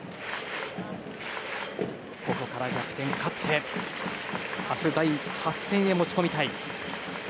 ここから逆転、勝って明日第８戦へ持ち込みたい。